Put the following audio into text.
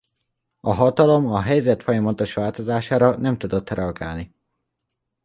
A hatalom a helyzet folyamatos változására nem tudott reagálni.